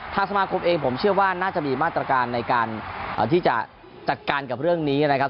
สมาคมเองผมเชื่อว่าน่าจะมีมาตรการในการที่จะจัดการกับเรื่องนี้นะครับ